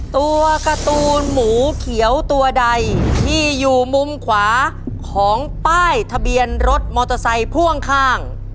ตัวการ์ตูนหมูเขียวตัวใดที่อยู่มุมขวาของป้ายทะเบียนรถมอเตอร์ไซค์พ่วงข้าง